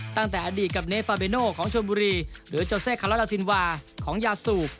ตั้งแต่อดีตกับเนฟาเบโนของชนบุรีหรือโจเซคาลอลาซินวาของยาสูบ